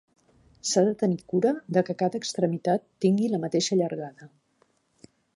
S'ha de tenir cura de que cada extremitat tingui la mateixa llargada.